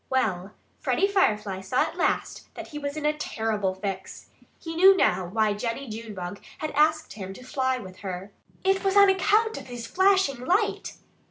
Well, Freddie Firefly saw at last that he was in a terrible fix. He knew now why Jennie Junebug had asked him to fly with her. It was on account of his flashing light!